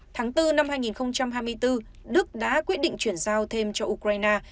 tháng bốn năm hai nghìn hai mươi bốn đức đã quyết định chuyển giao thêm cho ukraine